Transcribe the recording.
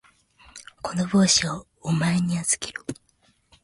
この帽子をお前に預ける。